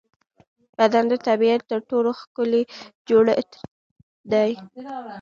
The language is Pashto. بدن د طبیعت تر ټولو ښکلی جوړڻت دی.